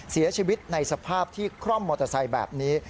เสียชีวิตในสภาพที่คร่อมมอเตอร์ไซค์แบบนี้